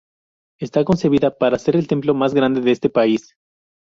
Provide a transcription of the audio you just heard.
Está concebida para ser el templo más grande de este país.